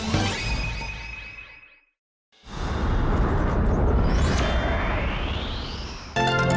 เด็กแปพงาน